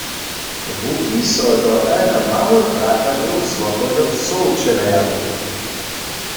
Łuki so dotal na małych ratarjow z wokolnych wsow přenajachu.